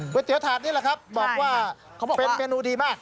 เตี๋ยถาดนี่แหละครับบอกว่าเป็นเมนูดีมาก